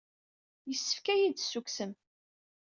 Yessefk ad iyi-d-tessukksem.